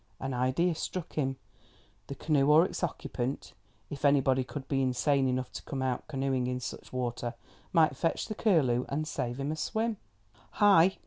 An idea struck him: the canoe or its occupant, if anybody could be insane enough to come out canoeing in such water, might fetch the curlew and save him a swim. "Hi!"